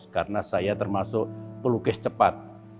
karena saya termasuk pelukis cepat